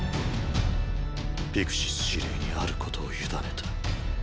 ピクシス司令にあることを委ねた。